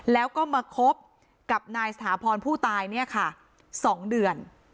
แล้วก็มาคบกับนายสถาพรผู้ตายเนี่ยค่ะ๒เดือน